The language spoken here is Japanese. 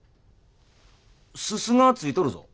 煤がついとるぞ。